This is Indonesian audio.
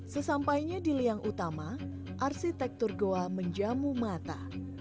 sesampainya di liang utama arsitektur goa menjamu mata